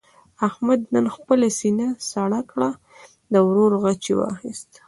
احمد نن خپله سینه سړه کړه. د ورور غچ یې واخیست.